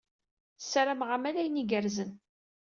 Ssarameɣ-am ala ayen igerrzen.